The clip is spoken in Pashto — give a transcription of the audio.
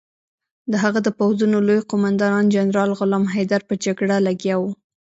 د هغه د پوځونو لوی قوماندان جنرال غلام حیدر په جګړه لګیا وو.